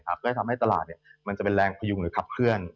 ก็เลยทำให้ตลาดมันจะเป็นแรงพยุงหรือขับเคลื่อน